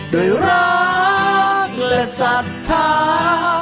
โดยรักและศรัทธา